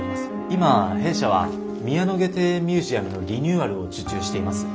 今弊社は宮野花庭園ミュージアムのリニューアルを受注しています。